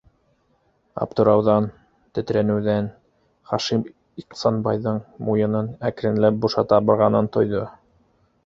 Аптырауҙан, тетрәнеүҙән Хашим Ихсанбайҙың муйынын әкренләп бушата барғанын тойҙо.